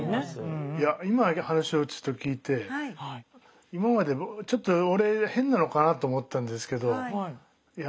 いや今の話をちょっと聞いて今までちょっと俺変なのかなと思ってたんですけどいや